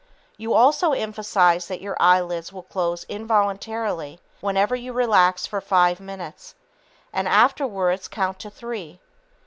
You also emphasize that your eyelids will close involuntarily whenever you relax for five minutes and afterwards count to three.